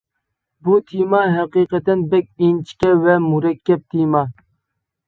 بۇ تېما ھەقىقەتەن بەك ئىنچىكە ۋە مۇرەككەپ تېما.